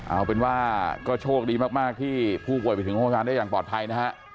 เอาเป็นว่าก็โชคดีมากที่ผู้ป่วยไปถึงโรงพยาบาลได้อย่างปลอดภัยนะฮะ